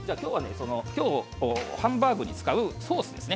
ハンバーグに使うソースですね。